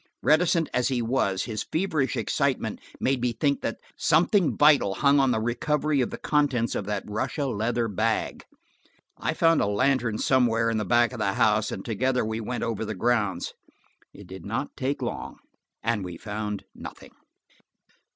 Reticent as he was, his feverish excitement made me think that something vital hung on the recovery of the contents of that Russia leather bag. We found a lantern somewhere in the back of the house, and together we went over the grounds. It did not take long, and we found nothing.